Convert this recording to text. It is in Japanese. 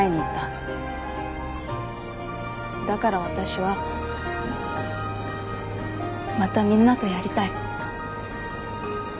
だから私はまたみんなとやりたい。